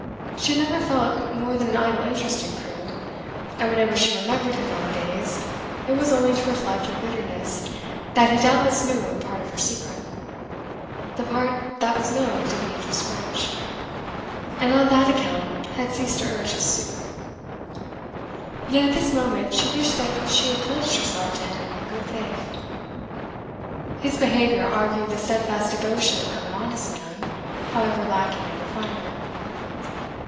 She had never felt more than an idle interest in Crewe, and whenever she remembered him nowadays, it was only to reflect with bitterness that he doubtless knew a part of her secret, the part that was known to Beatrice French, and on that account had ceased to urge his suit; yet at this moment she wished that she had pledged herself to him in good faith. His behaviour argued the steadfast devotion of an honest man, however lacking in refinement.